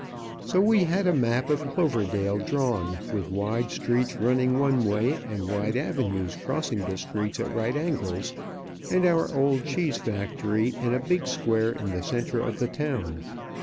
So we had a map of Cloverdale drawn, with wide streets running one way and wide avenues crossing the streets at right angles, and our old cheese factory in a big square in the centre of the town.